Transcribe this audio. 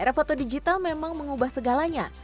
era foto digital memang mengubah segalanya